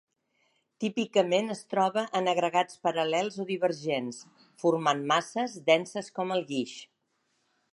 Típicament es troba en agregats paral·lels o divergents, formant masses denses com el guix.